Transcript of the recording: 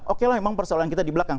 oke lah memang persoalan kita di belakang